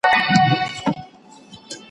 زه به د نوي لغتونو يادونه کړې وي؟!